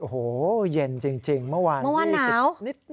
โหเย็นจริงเมื่อวาน๒๐นิด๒๑๒๒เมื่อวานน้าว